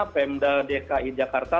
pmd dki jakarta